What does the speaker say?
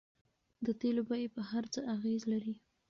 د تیلو بیې په هر څه اغیز لري.